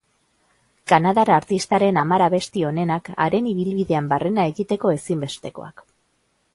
Kanadar artistaren hamar abesti onenak, haren ibilbidean barrena egiteko ezinbestekoak.